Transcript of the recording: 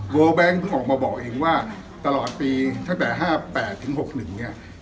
แบงค์เพิ่งออกมาบอกเองว่าตลอดปีตั้งแต่๕๘ถึง๖๑เนี่ย